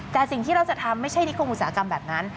แต่สิ่งที่เราจะทำไม่ใช่นิคมอุตสาหกรรมแบบนั้น